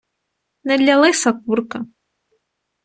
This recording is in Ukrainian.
Не для лиса курка.